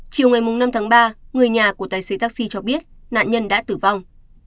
chiều ngày năm tháng ba người nhà của tài xế taxi cho biết nạn nhân đã tử vong